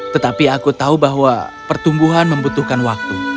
tetapi aku tahu bahwa pertumbuhan membutuhkan waktu